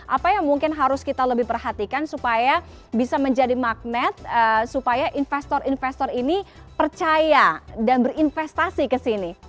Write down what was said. apa yang mungkin harus kita lebih perhatikan supaya bisa menjadi magnet supaya investor investor ini percaya dan berinvestasi kesini